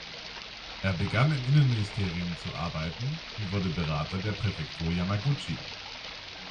Er begann im Innenministerium zu arbeiten und wurde Berater der Präfektur Yamaguchi.